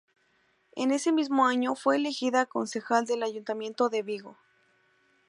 En ese mismo año fue elegida concejal del Ayuntamiento de Vigo.